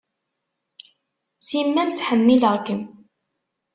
Simmal ttḥemmileɣ-kem.